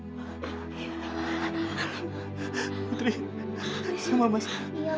putri sama masa